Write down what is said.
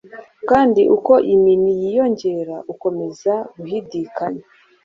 Kandi uko imini yiyongera, akomeza guhidikanya